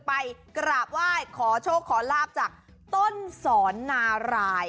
ไปกราบไหว้ขอโชคขอลาบจากต้นสอนนาราย